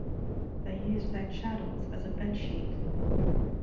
They use their chadors as a bed sheet.